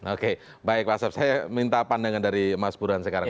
oke baik pak asep saya minta pandangan dari mas burhan sekarang